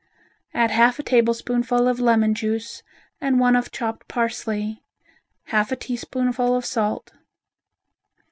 Add half a tablespoonful of lemon juice and one of chopped parsley, half a teaspoonful of salt.